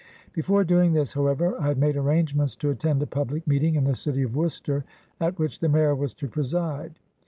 Be fore doing this, however, I had made arrangements to attend a public meeting in the city of "Worcester, at which the Mayor was to preside.